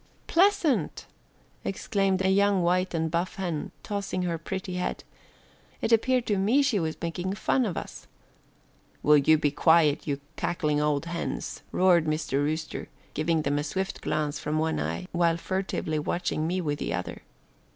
"Pleasant!" exclaimed a young white and buff hen, tossing her pretty head, "it appeared to me she was making fun of us." "Will you be quiet, you cackling old hens?" roared Mr. Rooster, giving them a swift glance from one eye, while furtively watching me with the other.